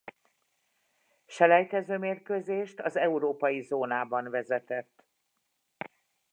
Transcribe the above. Selejtező mérkőzést az európai zónában vezetett.